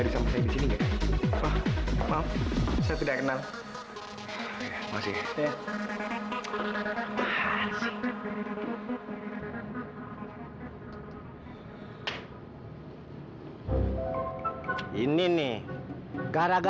siapa tuh gak penting ya